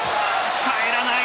返らない。